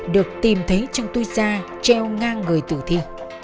được tìm thấy trong túi da treo ngang người tử thi